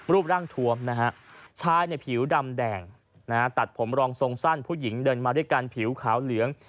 รูปร่างทวมนะฮะชายในผิวดำแดงนะฮะตัดผมรองทรงสั้นผู้หญิงเดินมาด้วยกันผิวขาวเหลือง